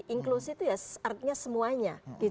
inklusi itu artinya semuanya